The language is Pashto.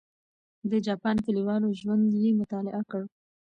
د جاپان کلیوالو ژوند یې مطالعه کړ.